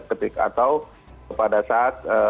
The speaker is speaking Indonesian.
ketika atau pada saat